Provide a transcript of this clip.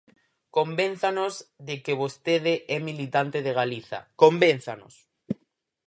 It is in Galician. Convénzanos de que vostede é militante de Galiza, ¡convénzanos!